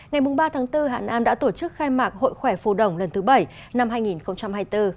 ngày ba bốn hà nam đã tổ chức khai mạc hội khỏe phù đồng lần thứ bảy năm hai nghìn hai mươi bốn